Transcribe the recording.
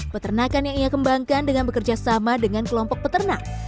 peternakan yang ia kembangkan dengan bekerja sama dengan kelompok peternak